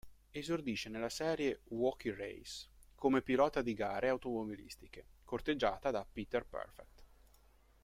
Esordisce nella serie "Wacky Races", come pilota di gare automobilistiche, corteggiata da Peter Perfect.